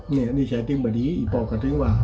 นี่นี่ชายตึงบ่ดีอีพ่อก็ตึงว่า